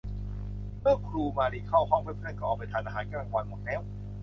เมื่อครูมาลีเข้าห้องเพื่อน ๆ ก็ออกไปทานอาหารกลางวันหมดแล้ว